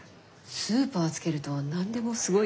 スーパーつけると何でもすごいよね。